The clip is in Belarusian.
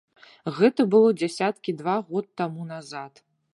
Гэта было дзесяткі два год таму назад.